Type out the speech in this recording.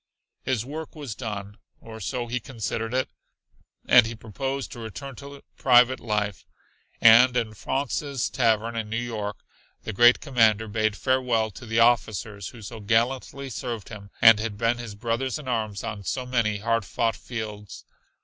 His work was done, or so he considered it, and he proposed to return to private life. And in Fraunces' Tavern in New York the great commander bade farewell to the officers who had so gallantly served him and had been his brothers in arms on so many hard fought fields.